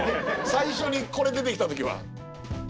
最初にこれ出てきた時は。